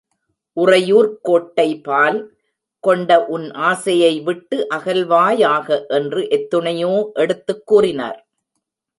உறையூர்க் கோட்டைபால் கொண்ட உன் ஆசையை விட்டு அகல்வாயாக! என்று எத்துணையோ எடுத்துக் கூறினார்.